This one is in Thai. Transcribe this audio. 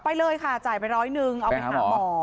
ไปเลยค่ะจ่ายไปร้อยหนึ่งเอาไปหาหมอ